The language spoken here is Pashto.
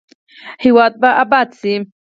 هیواد به اباد شي؟